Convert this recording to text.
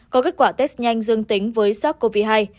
có kết quả test nhanh dương tính với sát covid một mươi chín